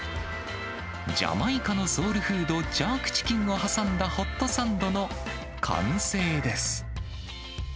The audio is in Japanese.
ジャマイカのソウルフード、ジャークチキンを挟んだホットサンドの完成です。